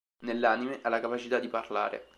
Nell'anime ha la capacità di parlare.